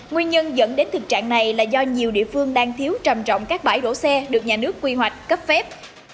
nguyên nhân dẫn đến thực trạng này là do nhiều địa phương đang thiếu trầm trọng các bãi đổ xe được nhà nước quy hoạch cấp phép